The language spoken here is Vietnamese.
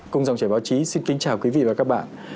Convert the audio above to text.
cùng dòng chảy báo chí xin kính chào quý vị và các bạn